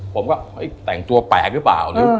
ผมก็แต่งตัวแปลกหรือเปล่า